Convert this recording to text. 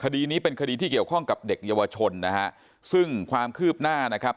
คดีนี้เป็นคดีที่เกี่ยวข้องกับเด็กเยาวชนนะฮะซึ่งความคืบหน้านะครับ